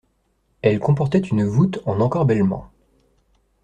Elle comportait une voûte en encorbellement.